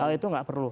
kalau itu nggak perlu